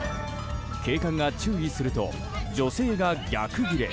警官が注意すると女性が逆ギレ。